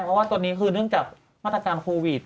เพราะว่าตอนนี้คือเนื่องจากมาตรการโควิด